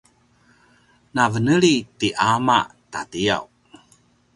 na veneli ti ama ta tiyaw